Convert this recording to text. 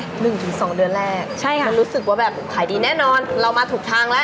๑๒เดือนแรกมันรู้สึกว่าแบบขายดีแน่นอนเรามาถูกทางแล้ว